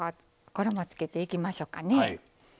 衣つけていきましょうかね。